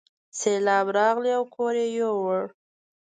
سیلاب راغی او کور یې یووړ.